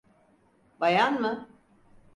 Bayan mı?